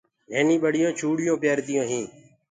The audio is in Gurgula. ننيني ٻچونٚ چوُڙيونٚ پيرديونٚ هينٚ۔